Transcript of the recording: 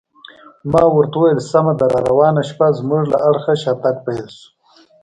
ما ورته وویل: سمه ده، راروانه شپه زموږ له اړخه شاتګ پیل شو.